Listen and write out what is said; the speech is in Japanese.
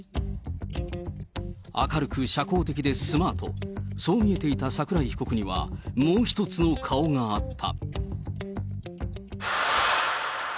明るく社交的でスマート、そう見えていた桜井被告には、もう１つの顔があった。